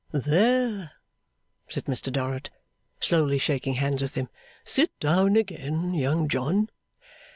'There!' said Mr Dorrit, slowly shaking hands with him. 'Sit down again, Young John.